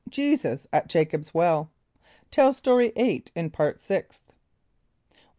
Jesus at Jacob's Well. (Tell Story 8 in Part Sixth.)